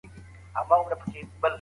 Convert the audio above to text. چې د حق د اذان وخت شي يو بلال دى